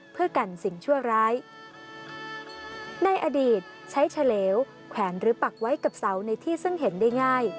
เพื่อกันสิ่งชั่วร้ายในอดีตใช้เฉลวแขวนหรือปักไว้กับเสาในที่ซึ่งเห็นได้ง่าย